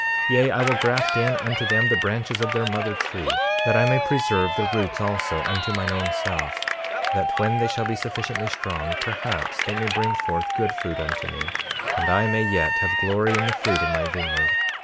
Yea, I will graft in unto them the branches of their mother tree, that I may preserve the roots also unto mine own self, that when they shall be sufficiently strong perhaps they may bring forth good fruit unto me, and I may yet have glory in the fruit of my vineyard.